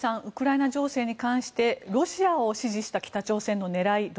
ウクライナ情勢に関してロシアを支持した北朝鮮の狙い